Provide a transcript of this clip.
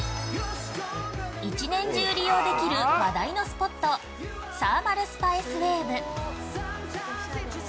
◆１年中利用できる話題のスポットサーマルスパエスウエーブ。